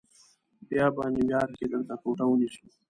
بیا به نیویارک کې درته کوټه ونیسو.